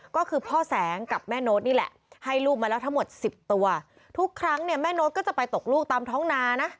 ก็คือพ่อแสงกับแม่โน้ตนี่แหละให้ลูกมาแล้วทั้งหมดสิบตัวทุกครั้งเนี่ยแม่โน๊ตก็จะไปตกลูกตามท้องนานะ